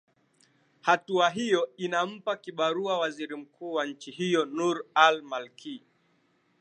hatua hiyo inampa kibarua waziri mkuu wa nchi hiyo nur al malki